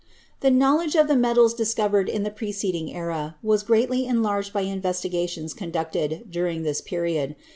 The knowledge of the metals discovered in the preced ing era was greatly enlarged by investigations conducted during this period.